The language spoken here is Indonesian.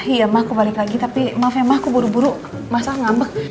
iya mah aku balik lagi tapi maaf ya mah aku buru buru mas al gak ambek